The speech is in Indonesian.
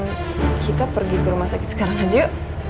ehm kita pergi ke rumah sakit sekarang aja yuk